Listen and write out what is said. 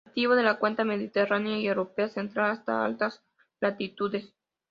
Nativo de la cuenca mediterránea y Europa central, hasta altas latitudes.